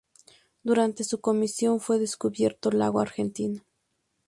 Durante su comisión fue descubierto Lago Argentino.